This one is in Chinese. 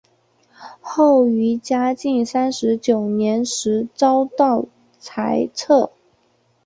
后于嘉靖三十九年时遭到裁撤。